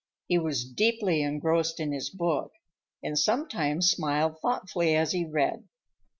He was deeply engrossed in his book and sometimes smiled thoughtfully as he read.